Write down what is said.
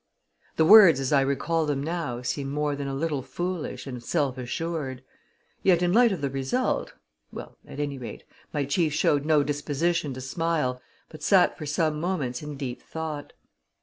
The words, as I recall them now, seem more than a little foolish and self assured; yet, in light of the result well, at any rate, my chief showed no disposition to smile, but sat for some moments in deep thought.